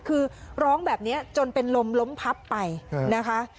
คือร้องแบบนี้จนเป็นลมล้มพับไปนะคะ